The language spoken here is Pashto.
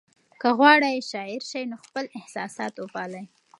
که غواړئ شاعر شئ نو خپل احساسات وپالئ.